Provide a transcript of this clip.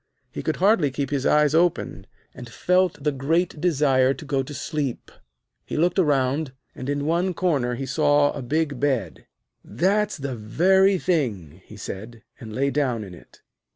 He could hardly keep his eyes open, and felt the greatest desire to go to sleep. He looked round, and in one corner he saw a big bed. 'That's the very thing,' he said, and lay down in it.